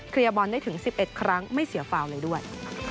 เคลียร์บอลได้ถึง๑๑ครั้งไม่เสียฟาวน์เลยด้วย